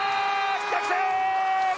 逆転！